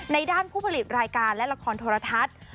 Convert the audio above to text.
ด้านผู้ผลิตรายการและละครโทรทัศน์